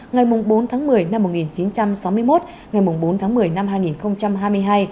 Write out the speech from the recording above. ngày bốn tháng một mươi năm một nghìn chín trăm sáu mươi một ngày bốn tháng một mươi năm hai nghìn hai mươi hai